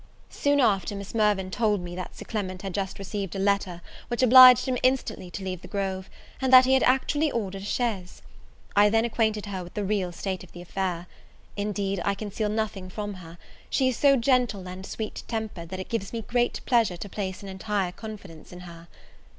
Soon after Miss Mirvan told me that Sir Clement had just received a letter, which obliged him instantly to leave the Grove, and that he had actually ordered a chaise. I then acquainted her with the real state of the affair. Indeed, I conceal nothing from her; she is so gentle and sweet tempered, that it gives me great pleasure to place an entire confidence in her.